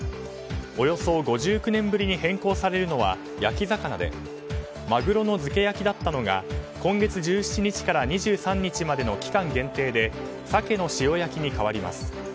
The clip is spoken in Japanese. およそ５９年ぶりに変更されるのは焼き魚でマグロの漬け焼きだったのが今月１７日から２３日の期間限定でサケの塩焼きに変わります。